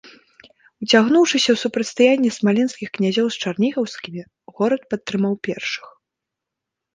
Уцягнуўшыся ў супрацьстаянне смаленскіх князёў з чарнігаўскімі, горад падтрымаў першых.